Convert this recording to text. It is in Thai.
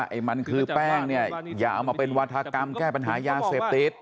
ไอ้มันคือแป้งเนี่ยอย่าเอามาเป็นวาธากรรมแก้ปัญหายาเสพติด